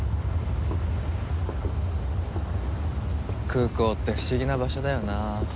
空港って不思議な場所だよなあ。